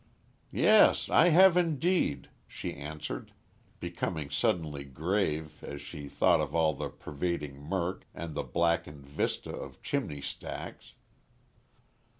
"Yes, I have indeed," she answered, becoming suddenly grave, as she thought of the all pervading murk and the blackened vista of chimney stacks.